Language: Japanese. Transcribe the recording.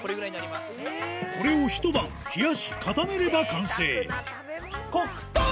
これをひと晩冷やし固めれば完成黒糖！